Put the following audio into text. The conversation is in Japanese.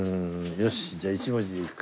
よしじゃあ１文字でいくか。